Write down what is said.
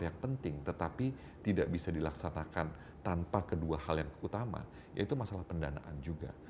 yang penting tetapi tidak bisa dilaksanakan tanpa kedua hal yang utama yaitu masalah pendanaan juga